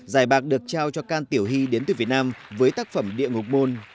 giải bạc được trao cho can tiểu hy đến từ việt nam với tác phẩm địa ngục môn